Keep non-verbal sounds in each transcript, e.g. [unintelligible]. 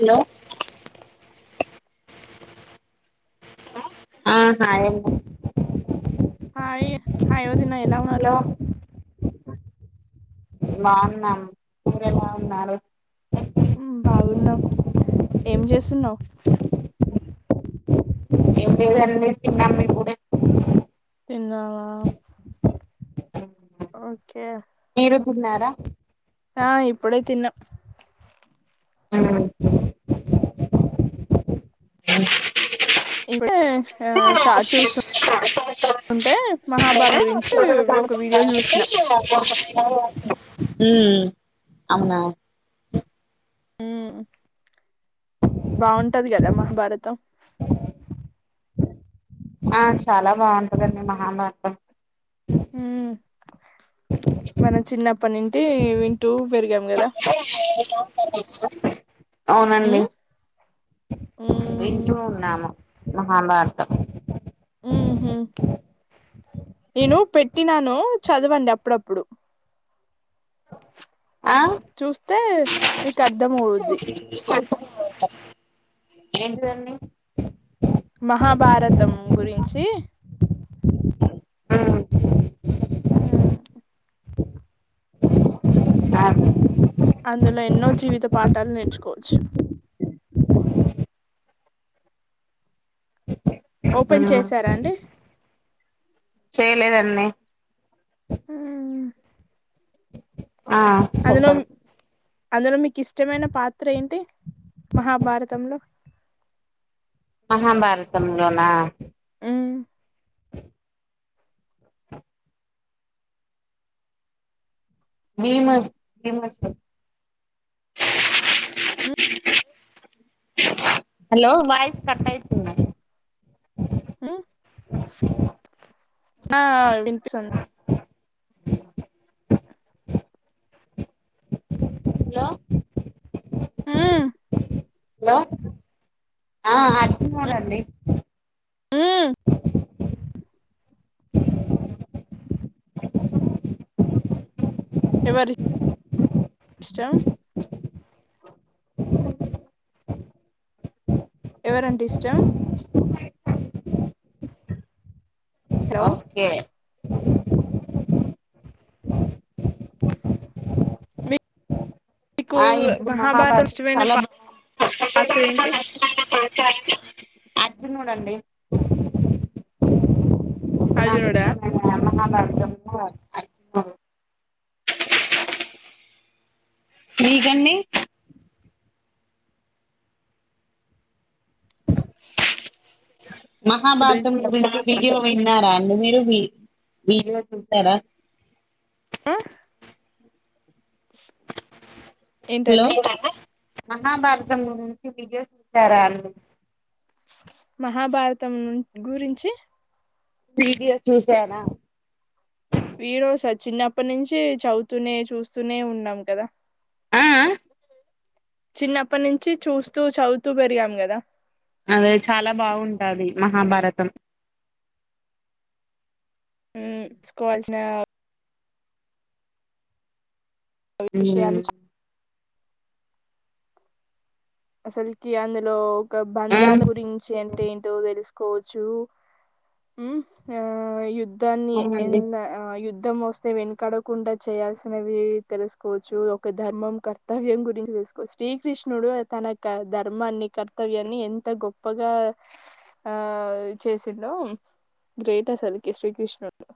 Hello ఆ hi [inaudible] హాయ్యో [unintelligible] దిన ఎలా ఉన్నారు బావున్నాం మీరెలా ఉన్నారు బాగున్నాం ఏం చేస్తున్నావ్ ఎ కర కమ్ కూడా తిన్నావా ఓకే చిన్నారా ఆ ఇప్పుడే తిన్నాం ఆ అ ఇంటే ఆ షార్ట్స్ చూస్తుంటే మహాభారత గురించి ఒక వీడియో చూసిన అవునా హ్మ్ బాగుంటది కదా మహాభారతం ఆ చాలా బాగుంటదండి మహాభారతం మన చిన్నప్పటి నుడి వింటూ పెరిగాం కదా అవునండి ఉమ్ వింటూ ఉమ్ ఉన్నాము మహాభారతం ఉహ నేను పెట్టినాను చదవండి అప్పుడప్పుడు ఆ చూస్తే మీకు అర్థం అవుద్ది ఏంటిదండి మహాభారతం గురించి ఆ ఆ అ అందులో ఎన్నో జీవిత పాటల్ నేర్చుకోచ్చు. ఓపెన్ చేసారా అండి. చేలేదన్నీ మ్ ఆ సుప్పర్ అందులొ మీకిష్టమైన పాత్రేంటి మహాభారతంలో మహాభారతంలోనా మ్మ్ మీమర్స్ మెమర్స్ తో హల్లో వాయిస్ కట్టైతున్నది. మూ ఆ విన్పిస్సాం లో హ్మ్. లా ఆ అ అర్చిమోడండి. హ్మ్. ఎవరి ష్టం ఎవరు అంటే ఇష్టం హలో ఒకే మీ ఆఇప్పుడు మహాభారతం ఇష్టమైన చాలా పాత్ర బాగు ఏంటి అర్జునుడండీ. అల్లుడా [unintelligible] అర్జునుడు మీకెన్నీ మహాభారతం విజయవై తిన్నారాఅండి మీరు మీ మీఇళ్ళు చూసారా. ఆ హలో ఏంటండి మహాభారతంలో నుచి వీడియో చూసి సరెండి మహాభారతం గురించి వీడ్యో చూసానా వీరోస చిన్నప్పనించీ చౌవుతూనే చూస్తునే ఉన్నాం కదా. ఆ ఆ చిన్నప్పనించి చూస్తూ చౌవుతూ పెరిగాం కదా. అదే చాలా బావుంటాది మహాభారతం. మ్ స్కోవాల్సినా అవి మ్మ్ విష్యాలు చ అసలుకి అందులో ఒక ఆ బంధాల గురించి అంటే ఏంటో తెలుసు కోచు ఆ యుద్ అన్య అవునండి ఇన్య యుద్ యుధం వస్తే వెనకడకుండా చేయాల్సినవి తెలుసుకోవచ్చు ఒక ధర్మం కర్తవ్యం గురించి తెలుసుకోవచ్చు శ్రీకృష్ణుడు తన క ధర్మాన్ని కర్తవ్యాన్ని ఎంత గొప్పగా ఆ చేసిండో గ్రేట్ అసలుకి శ్రీకృష్ణుడు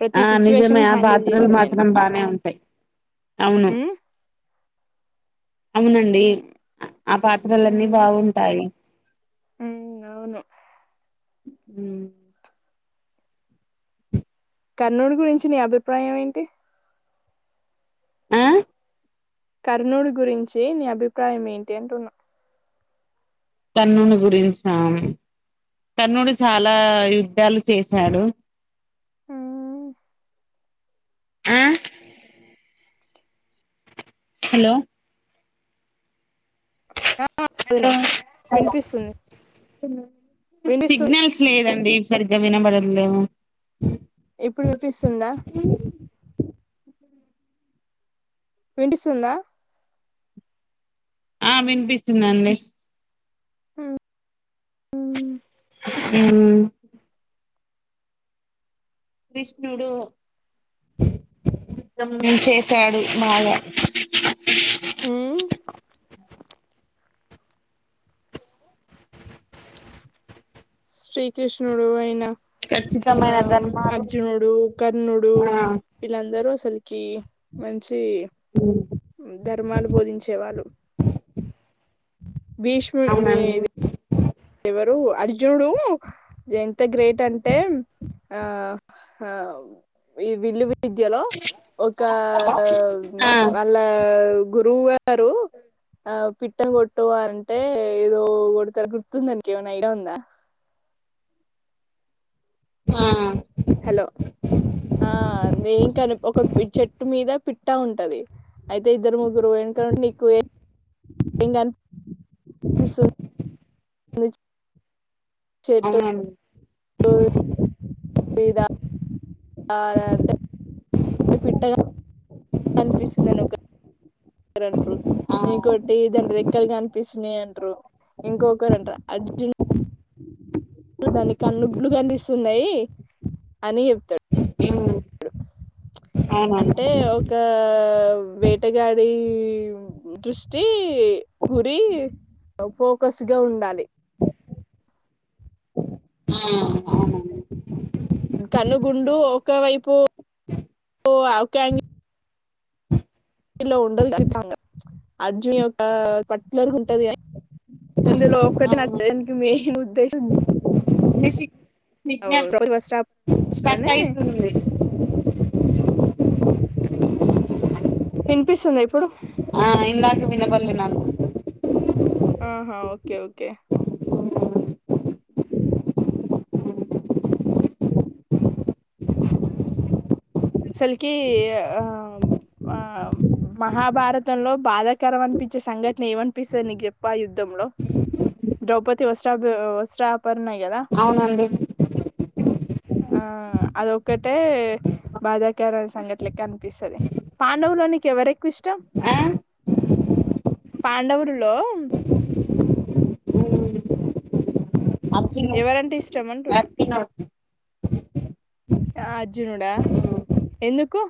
ప్రతి ఆ సిచ్యువేషన్ నిజమే ని ఆ హ్యాండిల్ పాత్రలు చేసిండు ఆయన మాత్రం బానే ఉంటాయి అవును మ్మ్ అవునండి ఆ పాత్రలన్నీ మ్మ్ బాగుంటాయి మ్మ్ అవును మ్మ్ కర్నూడు గురించి నీ అభిప్రాయం ఏంటి ఆ కర్ణుడి గురించి నీ అభిప్రాయం ఏంటి అంటున్నా కర్ణుని గురించ కర్ణుడు చాలా యుద్ధాలు చేశాడు. ఆ హలో వదిన హలో వినిపిస్తుంది వినిపిస్తుంది సిగ్నల్స్ లేదండి సరిగ్గా వినబడటలేదు ఎప్పుడు వపిస్ తుంద విండిస్తుందా ఆ వినిపిస్తుందండి అ అ క్రిష్ణుడు యుద్ధం చేసేశాడు బాగా ఉమ్ శ్రీకృష్ణుడు అయిన ఆ ఖచ్చితమైన ధర్మాలు అర్జునుడు కర్ణుడు ఆ ఇళ్ళందరూ అసలుకి మంచి సీ ధర్మాలు బోధించే వాళ్ళు భీష్ముడు భీ అవునండి దీ ఎవరు అర్జునుడు ఎంత గ్రేట్ అంటే ఆ హ ఈ విలువి విద్యలో ఒక ఆ వాళ్ళ గురువు గారు ఆ పిట్టలు కొట్టువారంటే ఏదో కొడతారు గు తుందని కేమైనా ఐడియా ఉందా ఆ హలో బైంగన్ కుషన్ ముజ్ అవునండి మీదా ఆ పిట్ట కని కనిపిస్తుందని ఒకరు అంటరు, ఆ ఇంకోటి దాని రెక్కలుగా కనిపిస్తున్నాయ్ అంటరు, ఇంకొకరు అంట అర్జున్ దానికి కన్ను గుడ్లు కనిస్తున్నాయి అని చెప్తాడు అనానా ఇ గా వేటగాడి దృష్టి గురి ఓ ఫోకస్ గా ఉండాలి. ఆ కనుగుండు ఒకవైపు లో ఉండదు కన్ఫామ్ గా అర్జున్ యొక్క పట్టులర్ ఉంటది కాని అందులో ఒక్కటి అవునండి నచ్చడానికి మెయిన్ ఉద్దేశం, మీ ద్రౌపది వస్త్రాపహరణనే స్టక్ అయితుంది వినిపిస్తుంద ఇప్పుడు ఆ ఇందాకు వినబల్లే నాకు ఆహా ఓకే ఓకే అ అసలుకి ఆ ఆ మహాభారతంలో బాధాకరం అనిపించే సంఘటన ఏమనిపిస్తది, నీకు చెప్పు ఆ యుద్ధంలో ద్రౌపది వస్త్రాప వస్త్రాపరణ కదా అవునండి ఆ అదొక్కటే బాధాకరైన సంఘటనకి అనిపిస్తుంది పాండవులో నీకు ఎవరెక్కువ ఇష్టం ఆ పాండవులులో అర్జునుడు ఎవరంటే ఇష్టం అంటున్నా అర్జునుడు అర్జునడా ఎందుకు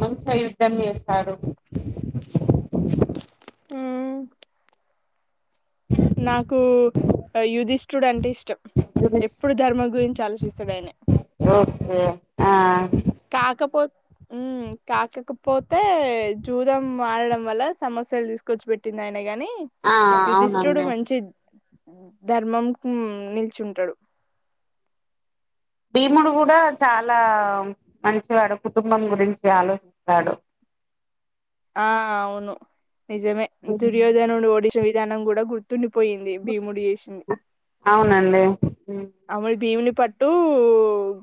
మంచిగ యుద్ధం చేస్తాడు ఆ నాకు యుధిష్తోడు అంటే ఇష్టం ఎప్పుడు ధర్మ గురించా శసుడేైన ఓ ఆ కాకపో కాకకపోతే జూదం మారడం వల్ల సమస్యలు తీసుకొచ్చి పెట్టింది ఆయన అంటే గాని ఆ యుధిష్ుడు అవునండి మంచి ధర్మం నిల్చుంటాడు భీముడు కూడా చాలా మనిషవాడు కుటుంబం గురించి ఆలోచిస్తాడు ఆ అవును నిజమే దుర్యోధనండు ఓడిచ విధానం కూడా గుర్తు పోయింది భీముడి చేసింది అవునండి అను భీమిని పట్టు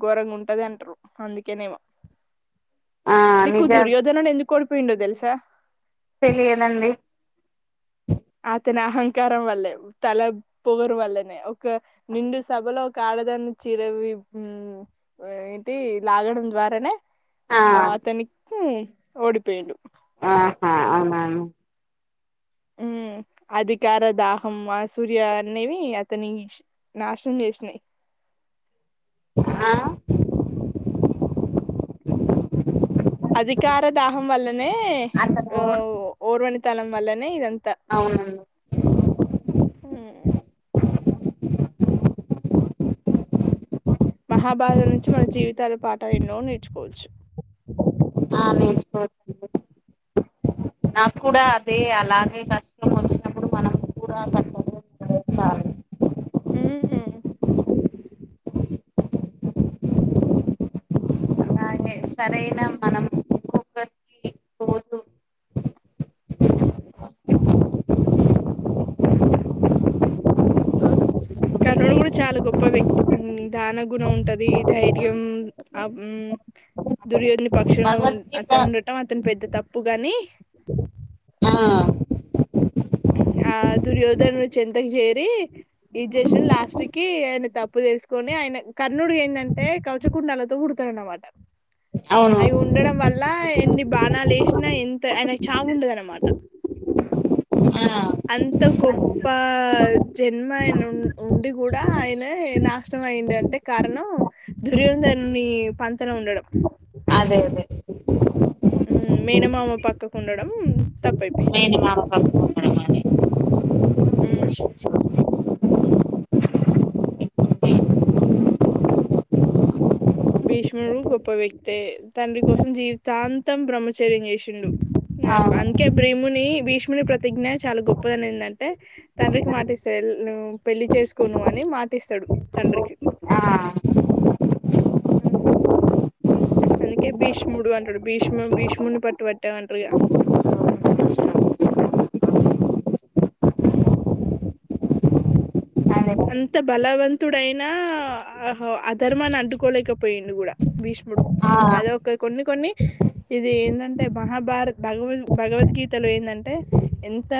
ఘోరంగా ఉంటది అంటారు అందుకేనేమో ఆ మీకు నిజా దుర్యోధనడు ఎందుకు కొడుపోయిండో తెలుసా తెలియేదండి అతని అహంకారం వల్లే తల పొగరు వల్లనే ఒక నిండు సభలో ఒక ఆడదాన్ని చీరవి వి ఏంటి లాగడం ద్వారానే ఆ అతని హూ ఓడిపేయిండు ఆహా అవునా ఉ అధికార దాహం ఆ సూర్య అనేవి అతని నాశనం జేసినాయ్ ఆ అధికార దాహం వల్ల హే అతను ఓర్వ తలం వల్లనే ఇదంత అవును మహాభారతం నుంచి మన జీవితాలు పాఠాలు ఎన్నో నేర్చుకోవచ్చు ఆ నేర్చుకోవచ్చు నాకు కూడా అదే అలాగే కష్టం వచ్చినప్పుడు మనం కూడా చాల ఉమ్ అలాగే సరైన మనం ఒక్కొక్కరికి రోజు కర్ణుడు గూడా చాలా గొప్ప వ్యక్తి దాన గుణం ఉంటది ధైర్యం ఆ దుర్యోధ పక్షంలో ఉం అత భగవద్గీత ఉండటం అతని పెద్ద తప్పుగాని ఆ ఆ దుర్యోదను చెంతక్ చేరి ఏం చేసింది లాస్ట్ కి ఆయన తప్పు తెసుకొని ఆయన కర్ణుడి ఏందంటే కవచకుండాలతో పుడతాడనమాట అవును అవి ఉండడం వల్ల ఎన్ని బాణాలు ఏసినా ఎంత ఆయనకి చావుండదు అన్నమాట ఆ అంత గొప్ప జన్మయ ఆయన ఉండి కూడా ఆయన నాశనం అయిండంటే కారణం దుర్యోదరున్ని పంతన ఉండడం అదే అదే మేనమామ పక్కకుండడం తప్పైపోయింది మేనమామ పక్కకుండడం హుమ్ భీష్ముడు గొప్ప వ్యక్తే తండ్రి కోసం జీవితాంతం బ్రహ్మచర్యం చేసిండు అవును అందుకే బీముని భీష్ముని ప్రతిజ్ఞ చాలా గొప్పదని ఏందంటే తండ్రికి మాటిస్తాడు పెళ్లి చేసుకోను అని మాటిస్తాడు తండ్రికి ఆ అందుకే భీష్ముడు అంటడు భీష్మ భీష్మూని పట్టు పట్టావ్ అంటారిగా అదే అంత బలవంతుడయినా ఆ అధర్మాన్ని అడ్కోలేకపోయిండు కూడా భీష్ముడు ఆ అదొక కొన్ని కొన్ని ఇది ఏందంటే మహాభారత్ భగవద్ భగవద్గీతలో ఎందంటే ఎంత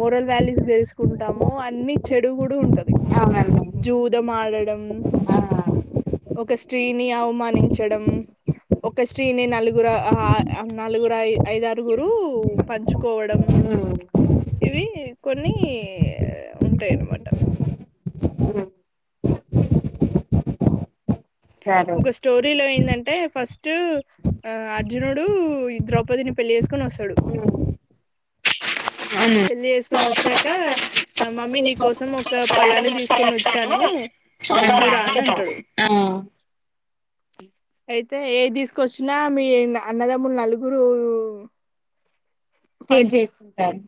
మోరల్ వాల్యూస్ తెలుసుకుంటామొ అన్ని చెడు కూడా ఉంటది అవునండి జూదమాడడం ఆ ఒక స్త్రీని అవమానించడం ఒక స్త్రీని నలుగురు ఆ నలుగురు ఐ ఐదారుగురు పంచుకోవడం ఉమ్ ఇవి కొన్ని తే అనమాట సరే ఉమ్ ఒక స్టోరీ లో ఏందటే ఫస్ట్ ఆ అర్జునుడు ద్రౌపదిని పెళ్లి చేేసుకొని వస్తాడు ఉమ్, ఉమ్, పెళ్లి చేసుకొని వచ్చాక ఆ మమ్మీ నీ కోసం ఒక పలాన్ని తీస్ ఉమ్ అంటాడు ఆ అయితే ఏది తీసుకొచ్చినా మీ అన్నదమ్ములు నలుగురూ షేరె చేసుకుంటారు